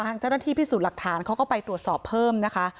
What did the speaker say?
เจ้าหน้าที่พิสูจน์หลักฐานเขาก็ไปตรวจสอบเพิ่มนะคะ